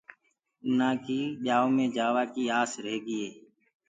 اُنآ ڪي ٻيآئوُ مي جآوآ ڪيٚ آس رهيگي۔